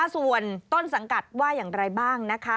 ส่วนต้นสังกัดว่าอย่างไรบ้างนะคะ